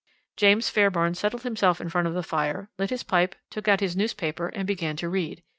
James Fairbairn settled himself in front of the fire, lit his pipe, took out his newspaper, and began to read.